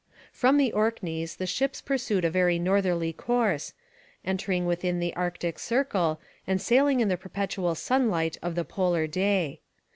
From the Orkneys the ships pursued a very northerly course, entering within the Arctic Circle and sailing in the perpetual sunlight of the polar day.